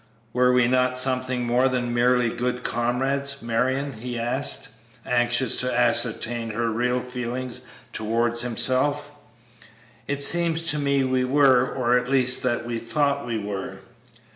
"Were we not something more than merely good comrades, Marion?" he asked, anxious to ascertain her real feelings towards himself; "it seemed to me we were, or at least that we thought we were."